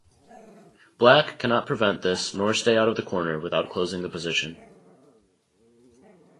Black cannot prevent this nor stay out the corner without closing the position.